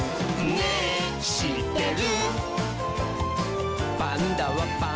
「ねぇしってる？」